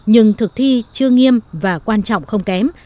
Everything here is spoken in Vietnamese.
nhưng thực thi chưa nghiêm và quan trọng không kém